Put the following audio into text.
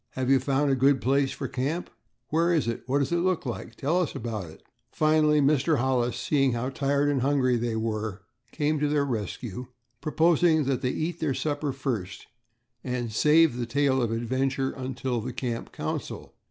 "Have you found a good place for camp?" "Where is it?" "What does it look like?" "Tell us all about it." Finally, Mr. Hollis, seeing how tired and hungry they were, came to their rescue, proposing that they eat their supper first and save the tale of adventure until the camp council.